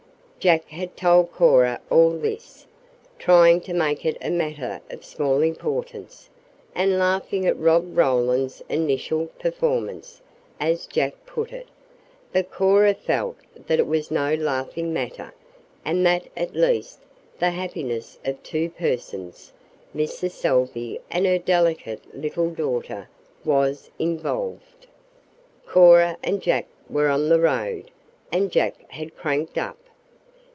Jack had told Cora all this, trying to make it a matter of small importance, and laughing at Rob Roland's initial performance, as Jack put it; but Cora felt that it was no laughing matter, and that at least the happiness of two persons Mrs. Salvey and her delicate little daughter was involved. Cora and Jack were on the road, and Jack had cranked up.